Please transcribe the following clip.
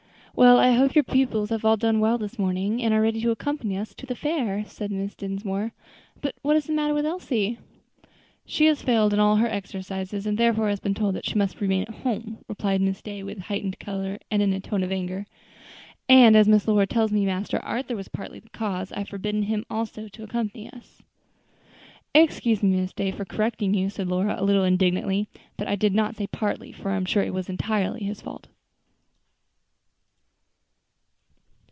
"Well, I hope your pupils have all done their duty this morning, and are ready to accompany us to the fair," said Mrs. Dinsmore. "But what is the matter with Elsie?" "She has failed in all her exercises, and therefore has been told that she must remain at home," replied Miss Day with heightened color and in a tone of anger; "and as Miss Lora tells me that Master Arthur was partly the cause, I have forbidden him also to accompany us." "Excuse me, Miss Day, for correcting you," said Lora, a little indignantly; "but I did not say partly, for I am sure it was entirely his fault."